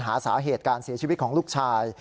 หาสาเหตุการเสียชีวิตของลูกชาย